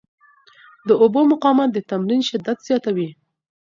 د اوبو مقاومت د تمرین شدت زیاتوي.